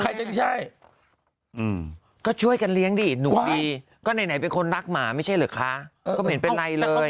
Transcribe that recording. ใครจะไม่ใช่ก็ช่วยกันเลี้ยงดิหนูดีก็ไหนเป็นคนรักหมาไม่ใช่เหรอคะก็ไม่เห็นเป็นไรเลย